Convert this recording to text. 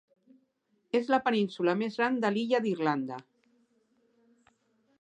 És la península més gran de l'illa d'Irlanda.